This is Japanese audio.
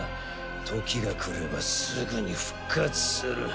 時がくればすぐに復活する。